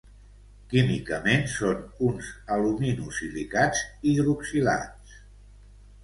Químicament són uns aluminosilicats hidroxilats.